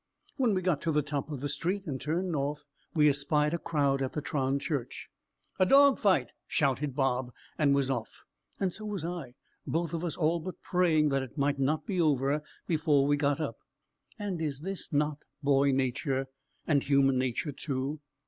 When we got to the top of the street, and turned north, we espied a crowd at the Tron Church. "A dog fight!" shouted Bob, and was off; and so was I, both of us all but praying that it might not be over before we got up! And is not this boy nature? and human nature too?